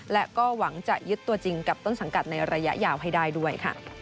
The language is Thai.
และก็หวังจะยึดตัวจริงกับต้นสังกัดในระยะยาวให้ได้ด้วยค่ะ